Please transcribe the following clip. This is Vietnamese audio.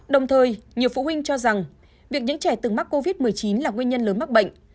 đồng thời nhiều phụ huynh cho rằng việc những trẻ từng mắc covid một mươi chín là nguyên nhân lớn mắc bệnh